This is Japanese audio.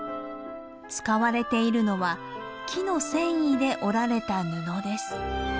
使われているのは木の繊維で織られた布です。